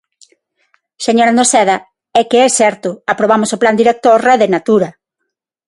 Señora Noceda, é que é certo, aprobamos o Plan director Rede Natura.